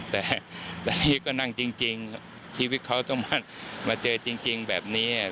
แต่นี่ก็นั่งจริงชีวิตเขาต้องมองแบบ